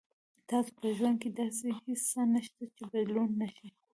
تاسو په ژوند کې داسې هیڅ څه نشته چې بدلون نه شي.